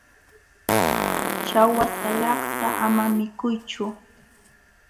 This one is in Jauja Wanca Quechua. ćhawa salakta ama mikuychu.